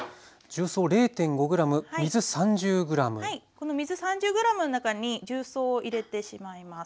この水３０ｇの中に重曹を入れてしまいます。